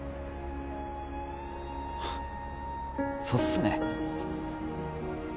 そうっすね